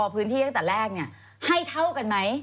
ปืนที่จากแรกให้เท่ากันไหม